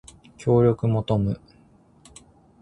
協力求む